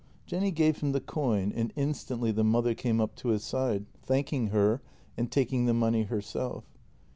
Jenny gave him the coin, and instantly the mother came up to his side, thanking her and taking the money herself.